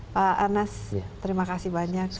pak arnas terima kasih